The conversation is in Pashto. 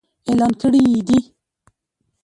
اعلان کړي يې دي.